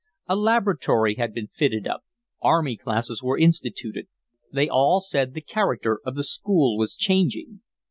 A laboratory had been fitted up, army classes were instituted; they all said the character of the school was changing.